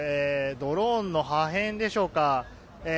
ドローンの破片でしょうか。